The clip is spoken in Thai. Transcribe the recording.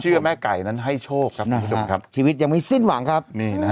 เชื่อแม่ไก่นั้นให้โชคครับชีวิตยังไม่สิ้นหวังครับ